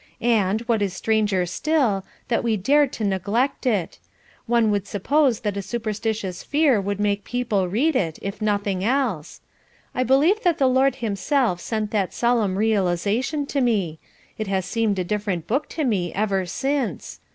and, what is stranger still, that we dare to neglect it. One would suppose that a superstitious fear would make people read it, if nothing else. I believe that the Lord himself sent that solemn realisation to me; it has seemed a different Book to me ever since.